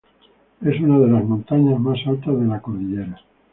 Es una de las montañas más altas de la cordillera.